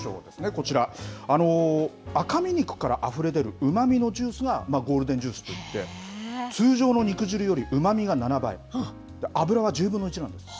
こちら赤身肉からあふれ出るうまみのジュースがゴールデンジュースと言って通常の肉汁より、うまみが７倍脂は１０分の１なんです。